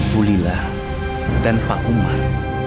bulillah dan pak umar